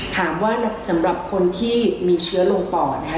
ถามว่าสำหรับคนที่มีเชื้อลงปอดนะคะ